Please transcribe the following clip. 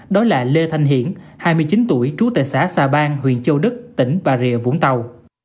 đó là lê thanh hiển hai mươi chín tuổi trú tại xã xà bang huyện châu đức tỉnh bà rịa vũng tàu